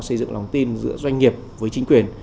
xây dựng lòng tin giữa doanh nghiệp với chính quyền